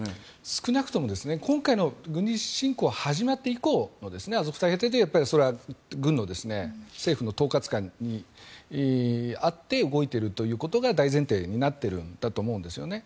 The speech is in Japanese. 少なくとも今回の軍事侵攻が始まって以降アゾフ大隊はやっぱり政府の統括下にあって動いているということが大前提になっているんだと思うんですね。